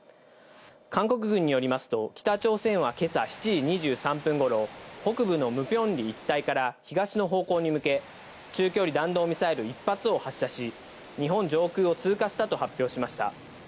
韓国軍によりますと北朝鮮は今朝７時２３分頃、北部のムピョンリ一帯から東の方向に向け、中距離弾道ミサイル１発を発射し、日本上空を通過したと発表しました。